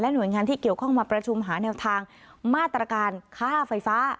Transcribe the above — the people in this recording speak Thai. หน่วยงานที่เกี่ยวข้องมาประชุมหาแนวทางมาตรการค่าไฟฟ้า